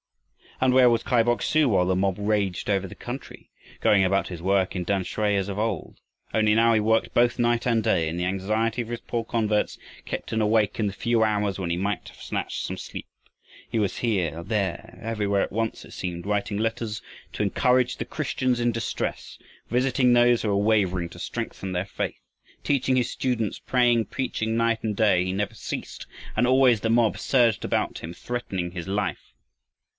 And where was Kai Bok su while the mob raged over the country? Going about his work in Tamsui as of old. Only now he worked both night and day, and the anxiety for his poor converts kept him awake in the few hours when he might have snatched some sleep. He was here, there, everywhere at once, it seemed, writing letters to encourage the Christians in distress, visiting those who were wavering to strengthen their faith, teaching his students, praying, preaching, night and day, he never ceased; and always the mob surged about him threatening his life.